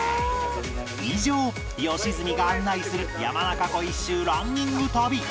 以上良純が案内する山中湖一周ランニング旅でした